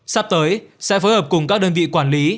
sắp tới sẽ phối hợp cùng các đơn vị quản lý